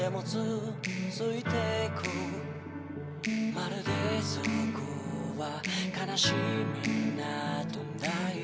「まるでそこは悲しみなどない世界」